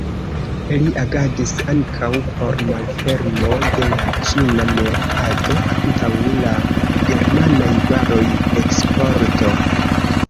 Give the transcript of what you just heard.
Li agadis ankaŭ por malfermo de la ĉina merkato antaŭ la germanaj varoj, eksporto.